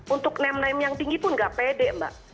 untuk name name yang tinggi pun nggak pede mbak